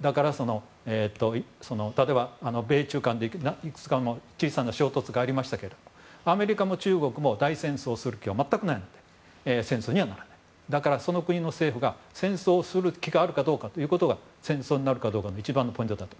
だから、例えば米中間でもいくつかの小さな衝突がありましたけどアメリカも中国も大戦争をする気は全くないので戦争にはならない。だからその国の政府が戦争をする気があるかどうかということが戦争になるかどうかの一番のポイントである。